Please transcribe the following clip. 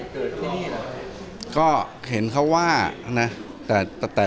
ขอสภาเอากล้องวงชนปิดแสดงว่ามีเหตุเกิดที่นี่หรือ